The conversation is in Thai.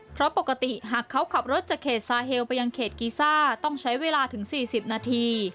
เพราะปกติหากเขาขับรถจากเขตซาเฮลไปยังเขตกีซ่าต้องใช้เวลาถึง๔๐นาที